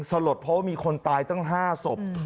สลดเพราะว่ามีคนตายตั้ง๕ศพ